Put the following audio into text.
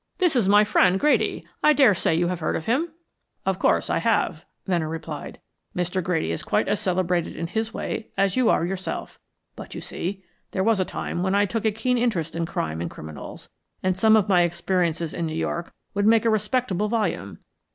"This is my friend, Grady. I daresay you have heard of him." "Of course I have," Venner replied. "Mr. Grady is quite as celebrated in his way as you are yourself. But you see, there was a time when I took a keen interest in crime and criminals, and some of my experiences in New York would make a respectable volume.